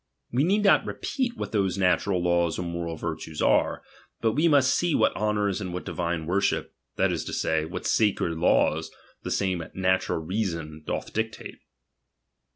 We need not re peat what those natural laws or moral virtua are ; but we must see what honours and what di vine worship, that is to say, what sacred laws the same natural reason doth dictate.